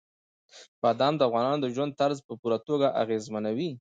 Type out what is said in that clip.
بادام د افغانانو د ژوند طرز په پوره توګه اغېزمنوي.